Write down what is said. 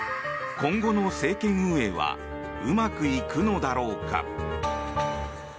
今後の政権運営はうまくいくのだろうか。